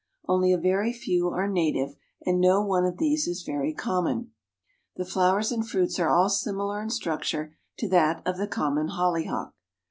Only a very few are native, and no one of these is very common. The flowers and fruits are all similar in structure to that of the common hollyhock.